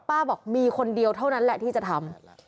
บอกมีคนเดียวเท่านั้นแหละที่จะทำ